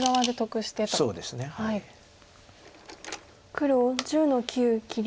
黒１０の九切り。